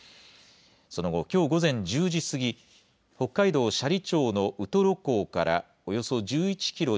その後、きょう午前１０時過ぎ、北海道斜里町のウトロ港からおよそ１１キロ